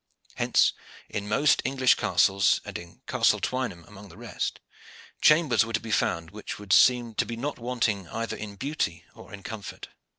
Hence, in most English castles, and in Castle Twynham among the rest, chambers were to be found which would seem to be not wanting either in beauty or in comfort.